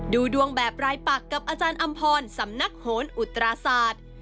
ดูดวงแบบรายปักกับอาจารย์อำพรสำนักโหนอุตราศาสตร์